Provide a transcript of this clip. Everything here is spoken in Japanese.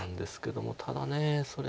ただそれ